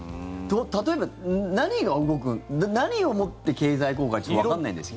例えば、何が動く何をもって経済効果ちょっとわからないんですけど。